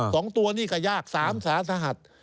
สองตัวนี่ก็ยากสามสาหัส